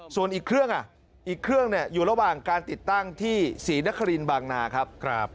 ส่วนอีกเครื่องอยู่ระหว่างการติดตั้งที่ศรีนครินต์บางนาครับ